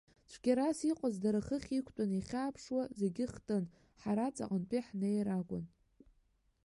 Цәгьарас иҟаз, дара хыхь иқәтәан, иахьааԥшуа зегьы хтын, ҳара ҵаҟантәи ҳнеир акәын.